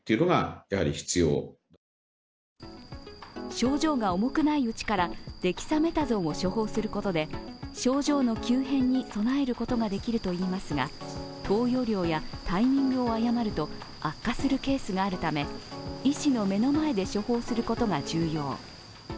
症状が重くないうちからデキサメタゾンを処方することで症状の急変に備えることができるといいますが、投与量やタイミングを誤ると、悪化するケースがあるため医師の目の前で処方することが重要。